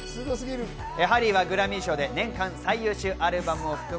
ハリーはグラミー賞で年間最優秀アルバムを含む